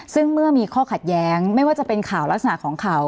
ซึ่งเมื่อมีข้อขัดแย้งไม่ว่าจะเป็นข่าวลักษณะของข่าว